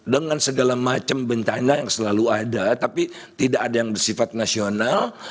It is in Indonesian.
dengan segala macam bencana yang selalu ada tapi tidak ada yang bersifat nasional